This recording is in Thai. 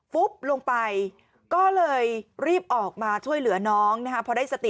ฟุ๊บลงไปก็เลยรีบออกมาช่วยเหลือน้องนะคะพอได้สติ